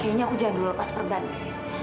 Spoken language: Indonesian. kayaknya aku jadul lepas perben ndi